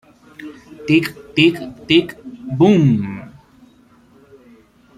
Tick, tick, tick, boom!